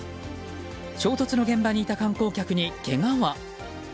衝突の現場にいた観光客にけがは？